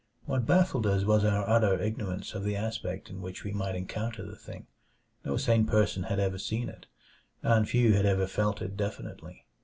What baffled us was our utter ignorance of the aspect in which we might encounter the thing. No sane person had ever seen it, and few had ever felt it definitely.